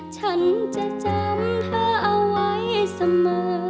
ฉันจะจำเธอเอาไว้เสมอ